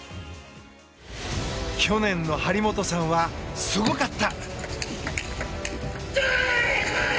去年の張本さんはすごかった！